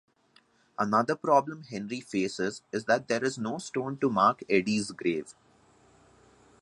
Another problem Henry faces is that there is no stone to mark Eddie's grave.